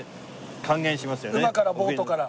馬からボートから。